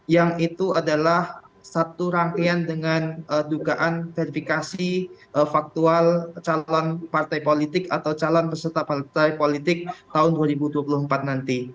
yang itu adalah satu rangkaian dengan dugaan verifikasi faktual calon partai politik atau calon peserta partai politik tahun dua ribu dua puluh empat nanti